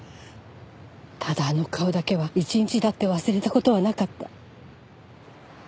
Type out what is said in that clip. ただあの顔だけは一日だって忘れた事はなかった。